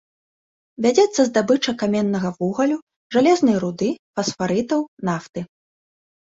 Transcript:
Вядзецца здабыча каменнага вугалю, жалезнай руды, фасфарытаў, нафты.